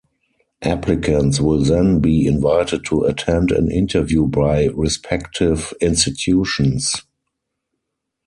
Applicants will then be invited to attend an interview by respective institutions.